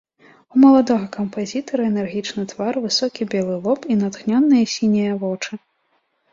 У маладога кампазітара энергічны твар, высокі белы лоб і натхнёныя сінія вочы.